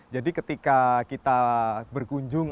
jadi ketika kita berkunjung